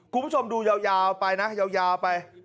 คุณผู้ชมดูยาวไปนะยาวไป